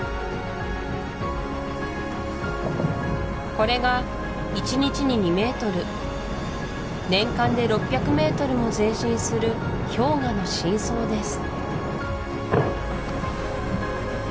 これが１日に２ｍ年間で６００ｍも前進する氷河の真相です